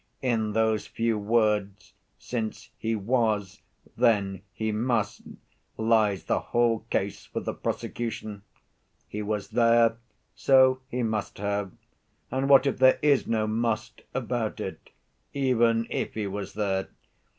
In those few words: 'since he was, then he must' lies the whole case for the prosecution. He was there, so he must have. And what if there is no must about it, even if he was there?